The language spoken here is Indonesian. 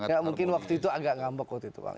ya mungkin waktu itu agak ngambek waktu itu pak